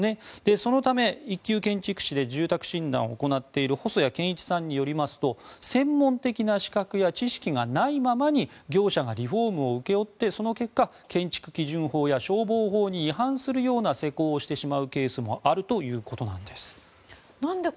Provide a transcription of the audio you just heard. そのため、一級建築士で住宅診断を行っている細谷健一さんによりますと専門的な知識や資格がないままに業者がリフォームを請け負ってその結果、建築基準法や消防法に違反するような施工をしてしまうケースもあるということなんです。